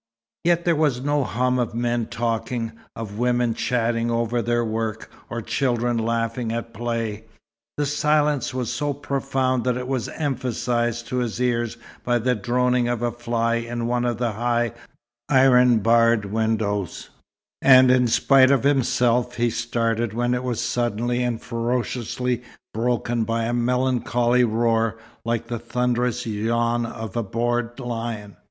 Yet there was no hum of men talking, of women chatting over their work, or children laughing at play. The silence was so profound that it was emphasized to his ears by the droning of a fly in one of the high, iron barred windows; and in spite of himself he started when it was suddenly and ferociously broken by a melancholy roar like the thunderous yawn of a bored lion.